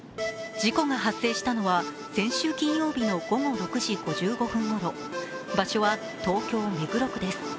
事故が発生したのは先週金曜日の午後６時５５分頃、場所は東京・目黒区です。